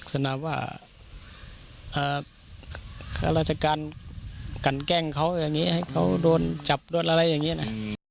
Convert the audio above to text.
ขนาดว่าข้าราชการกันแกล้งเขาอย่างนี้ให้เขาโดนจับโดนอะไรอย่างนี้นะ